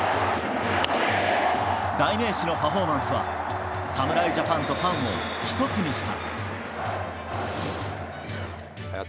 代名詞のパフォーマンスは、侍ジャパンとファンを一つにした。